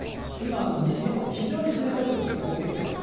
今、西日本で非常に湿った空気、持ってきてます。